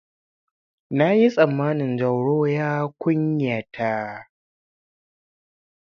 Na yi tsammanin Jauroa ya kunyata.